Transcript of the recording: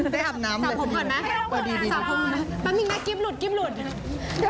ไปหับน้ำเลย